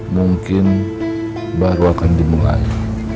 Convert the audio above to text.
mungkin baru akan dimulai